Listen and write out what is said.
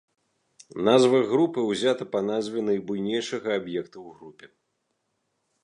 Назва групы ўзята па назве найбуйнейшага аб'екта ў групе.